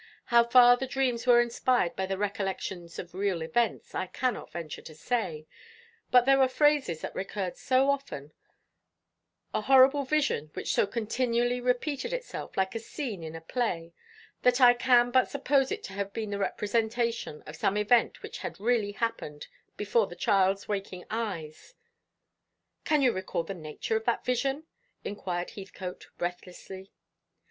How far the dreams were inspired by the recollections of real events, I cannot venture to say; but there were phrases that recurred so often a horrible vision which so continually repeated itself, like a scene in a play that I can but suppose it to have been the representation of some event which had really happened before the child's waking eyes." "Can you recall the nature of that vision?" inquired Heathcote breathlessly.